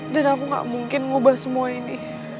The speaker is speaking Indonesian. dan aku gak mungkin ngubah semua ini